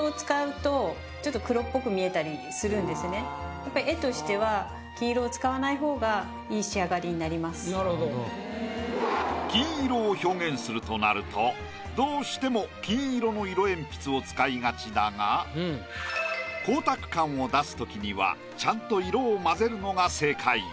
やっぱり絵としては金色を表現するとなるとどうしても光沢感を出す時にはちゃんと色を混ぜるのが正解。